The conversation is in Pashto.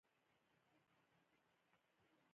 کوربه که زړښت ته ورسېږي، لا هم زړهسوی لري.